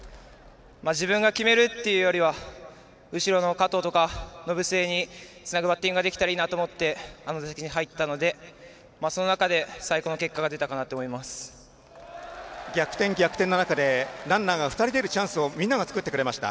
自分が決めるというよりは後ろの加藤とか延末につなぐバッティングができたらいいなと思ってあの打席に入ったのでその中で最高の結果が出たかなと逆転、逆転の中でランナーが２人出るチャンスをみんなが作ってくれました。